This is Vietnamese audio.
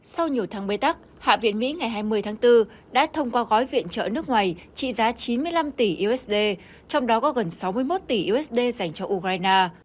sau nhiều tháng bê tắc hạ viện mỹ ngày hai mươi tháng bốn đã thông qua gói viện trợ nước ngoài trị giá chín mươi năm tỷ usd trong đó có gần sáu mươi một tỷ usd dành cho ukraine